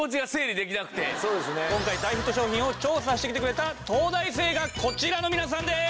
今回大ヒット商品を調査してきてくれた東大生がこちらの皆さんです！